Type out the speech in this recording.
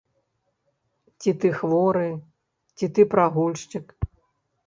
Ці ты хворы, ці ты прагульшчык?